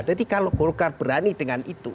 jadi kalau golkar berani dengan itu